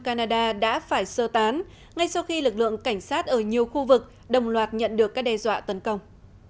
canada đã phải sơ tán ngay sau khi lực lượng cảnh sát ở nhiều khu vực đồng loạt nhận được các đe dọa tấn công